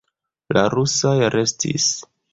La rusaj restis.